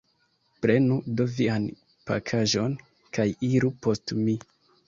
Prenu do vian pakaĵon kaj iru post mi.